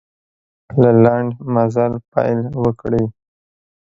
له لنډ مزله پیل وکړئ.